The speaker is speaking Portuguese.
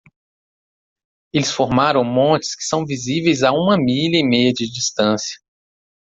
Eles formaram montes que são visíveis a uma milha e meia de distância.